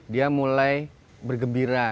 dia mulai bergembira